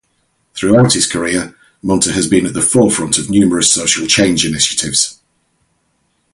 Throughout his career, Munter has been at the forefront of numerous social change initiatives.